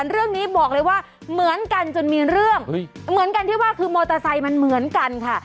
เรื่องนี้บอกเลยว่าเหมือนกันจนมีเรื่องเหมือนกันที่ว่าคือมอเตอร์ไซค์มันเหมือนกันค่ะ